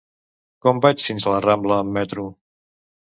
Com vaig fins a la Rambla amb metro?